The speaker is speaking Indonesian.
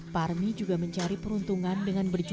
tapi sejak kondisi kesehatan sang ibu menurun